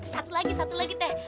satu lagi satu lagi teh